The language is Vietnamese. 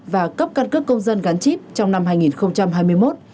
và cấp cân cấp công dân gắn chip trong năm hai nghìn hai mươi một